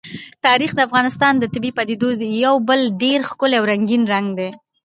تاریخ د افغانستان د طبیعي پدیدو یو بل ډېر ښکلی او رنګین رنګ دی.